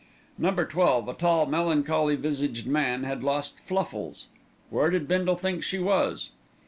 Number Twelve, a tall, melancholy visaged man, had lost Fluffles. Where did Bindle think she was?